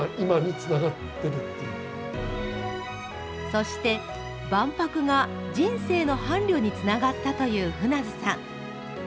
そして、万博が人生の伴侶につながったという舩津さん。